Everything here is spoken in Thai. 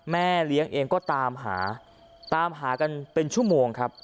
แม่เลี้ยงเองก็ตามหาตามหากันเป็นชั่วโมงครับ